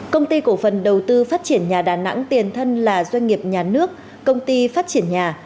công ty cổ phần đầu tư phát triển nhà đà nẵng tiền thân là doanh nghiệp nhà nước công ty phát triển nhà